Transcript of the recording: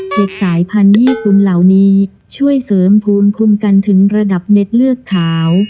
เด็กสายพันธุ์ญี่ปุ่นเหล่านี้ช่วยเสริมภูมิคุ้มกันถึงระดับเน็ตเลือดขาว